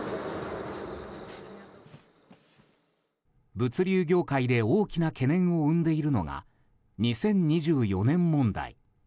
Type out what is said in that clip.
物流業界で大きな懸念を生んでいるのが２０２４年問題。